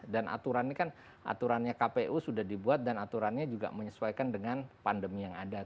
dan aturannya kan aturannya kpu sudah dibuat dan aturannya juga menyesuaikan dengan pandemi yang ada